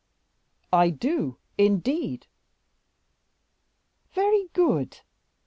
"I do, indeed." "Very good!